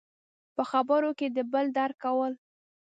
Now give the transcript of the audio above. – په خبرو کې د بل درک کول.